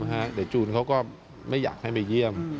แต่จูนเขาก็ไม่อยากให้ไปเยี่ยม